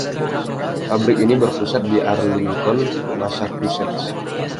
Pabrik ini berpusat di Arlington, Massachusetts.